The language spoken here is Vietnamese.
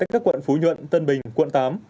các quận phú nhuận tân bình quận tám